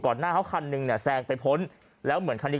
หน้าเขาคันหนึ่งเนี่ยแซงไปพ้นแล้วเหมือนคันนี้